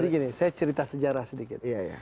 jadi gini saya cerita sejarah sedikit